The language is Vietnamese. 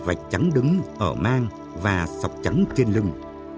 cá hải quỳ màu trắng đứng ở mang và sọc trắng trên lưng